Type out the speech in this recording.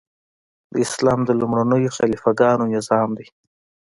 د اسلام د لومړنیو خلیفه ګانو نظام دی.